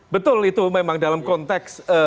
betul itu memang dalam konteks